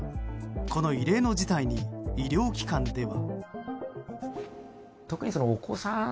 この異例の事態に医療機関では。